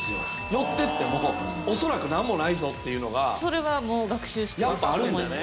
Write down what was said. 寄ってってもおそらく何もないぞっていうのがそれはもう学習してるってあるんだね